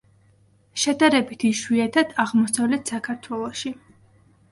შედარებით იშვიათად აღმოსავლეთ საქართველოში.